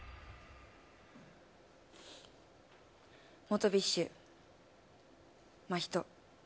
元ＢｉＳＨ、真人。